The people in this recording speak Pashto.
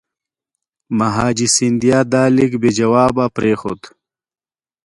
مهاجي سیندیا دا لیک بې جوابه پرېښود.